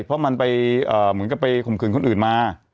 เพราะมันไปเหมือนกับไปข่มขืนคนอื่นมา